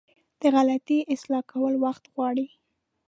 د غلطي اصلاح کول وخت غواړي.